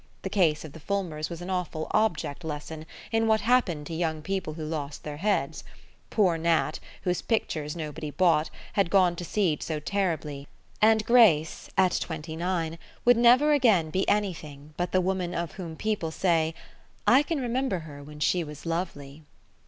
The case of the Fulmers was an awful object lesson in what happened to young people who lost their heads; poor Nat, whose pictures nobody bought, had gone to seed so terribly and Grace, at twenty nine, would never again be anything but the woman of whom people say, "I can remember her when she was lovely."